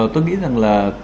tôi nghĩ rằng là